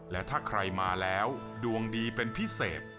และถ้าใครมาแล้วดวงดีเป็นพิเศษ